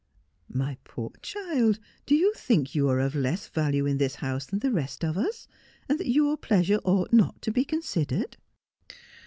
; My poor child, do you think you are of less value in this house than the rest of us, and that your pleasure ought not to be considered